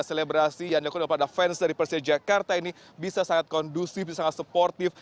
selebrasi yang dilakukan oleh para fans dari persija jakarta ini bisa sangat kondusif bisa sangat sportif